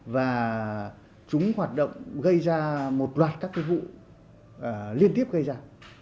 và chúng hoạt động gây ra một loạt các vụ liên tiếp gây ra